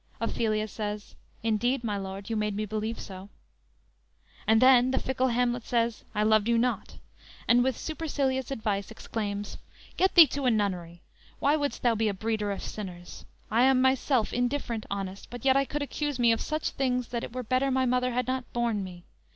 Ophelia says: "Indeed, my lord, you made me believe so." And then the fickle Hamlet says: "I loved you not," and with supercilious advice, exclaims: _"Get thee to a nunnery! Why would'st thou be a breeder of sinners? I am myself indifferent honest; But yet I could accuse me of such things That it were better my mother had not borne me.